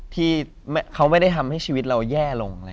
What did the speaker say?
ที่เขาไม่ได้ทำให้ชีวิตเราแย่ลง